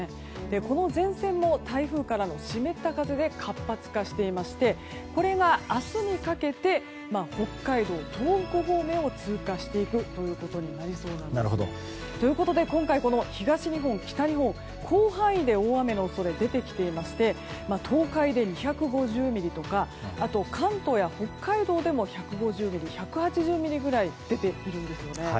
この前線も台風からの湿った風で活発化していましてこれが明日にかけて北海道、東北方面を通過していくことになりそうです。ということで今回、東日本、北日本広範囲で大雨の恐れが出てきていまして東海で２５０ミリとか関東や北海道でも１５０ミリ、１８０ミリぐらい出ているんですよね。